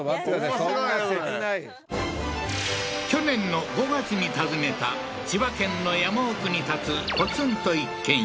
そんな切ない去年の５月に訪ねた千葉県の山奥に建つポツンと一軒家